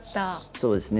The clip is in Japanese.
そうですね。